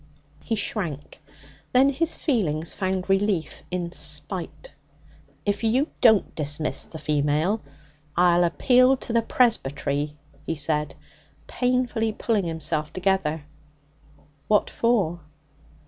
He shrank. Then his feelings found relief in spite. 'If you don't dismiss the female, I'll appeal to the Presbytery,' he said, painfully pulling himself together. 'What for?'